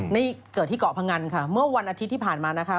นี่เกิดที่เกาะพงันค่ะเมื่อวันอาทิตย์ที่ผ่านมานะคะ